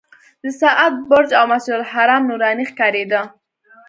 د ساعت برج او مسجدالحرام نوراني ښکارېده.